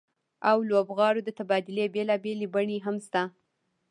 او لوبغاړو د تبادلې بېلابېلې بڼې هم شته